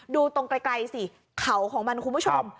ดูตรงไกลสิเขาของมันคุณผู้ชม